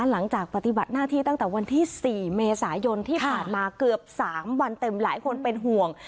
หลังจากปฏิบัติหน้าที่ตั้งแต่วันที่๔เมษายนที่ผ่านมาเกือบ๓วันเต็มหลายคนเป็นห่วง